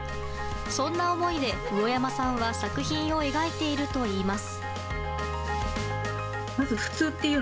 そんな思いで、うおやまさんは作品を描いているといいます。